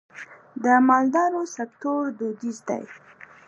د مالدارۍ سکتور دودیز دی